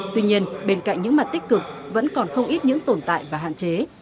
tuy nhiên bên cạnh những mặt tích cực vẫn còn không ít những tồn tại và hạn chế